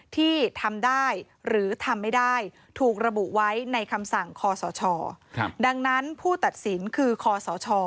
ที่ทำได้หรือทำไม่ได้ถูกระบุไว้ในคำสั่งคอสชดังนั้นผู้ตัดสินคือคอสช